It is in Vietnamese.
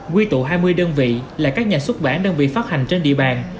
quy tụ hai mươi đơn vị là các nhà xuất bản đơn vị phát hành trên địa bàn